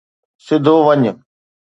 سڌو وڃ